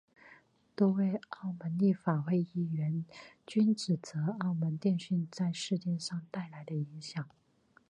多位澳门立法会议员均指责澳门电讯在事件上带来的影响。